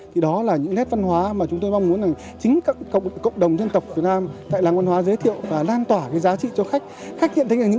thì đó là những nét văn hóa mà chúng tôi mong muốn chính các cộng đồng dân tộc việt nam tại làng văn hóa giới thiệu và lan tỏa giá trị cho khách